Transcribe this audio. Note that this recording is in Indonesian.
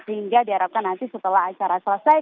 hingga diharapkan nanti setelah acara selesai